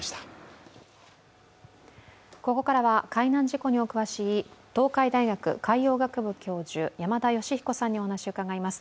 ここからは海難事故にお詳しい、東海大学海洋学部教授、山田吉彦さんにお話を伺います。